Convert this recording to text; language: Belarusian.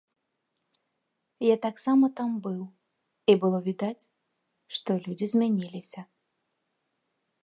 Я таксама там быў, і было відаць, што людзі змяніліся.